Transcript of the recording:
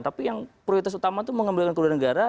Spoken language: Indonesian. tapi yang prioritas utama itu mengembalikan kedua negara